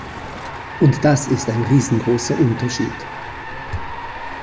Und das ist ein riesengroßer Unterschied.